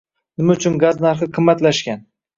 Nima uchun gaz narhi qimmatlashgan.